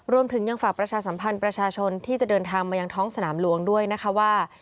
รวมถึงยังฝากประชาสัมพันธ์ประชาชนที่จะเดินทางมายังท้องสนามหลวงด้วยนะคะว่า